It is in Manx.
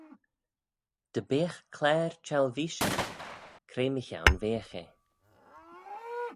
Dy beagh claare çhellveeish ayd, cre mychione veagh eh?